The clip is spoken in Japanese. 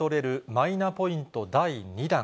マイナポイント第２弾。